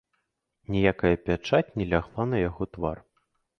Ніякая пячаць не лягла на яго твар.